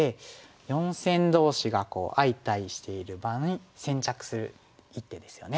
四線同士が相対している場に先着する一手ですよね。